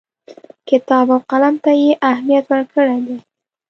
کتاب او قلم ته یې اهمیت ورکړی دی.